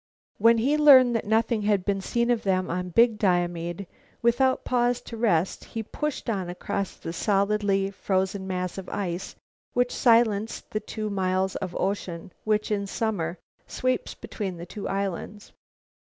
When he learned that nothing had been seen of them on the Big Diomede, without pausing to rest he pushed on across the now solidly frozen mass of ice which silenced the two miles of ocean which, in summer, sweeps between the two islands.